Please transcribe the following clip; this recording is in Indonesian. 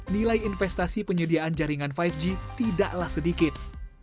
nilai investasi penyediaan jaringan lima g tidaklah sedikit